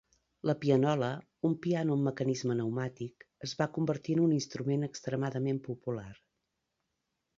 La pianola, un piano amb mecanisme pneumàtic, es va convertir en un instrument extremadament popular.